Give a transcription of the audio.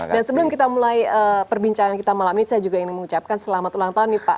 dan sebelum kita mulai perbincangan kita malam ini saya juga ingin mengucapkan selamat ulang tahun nih pak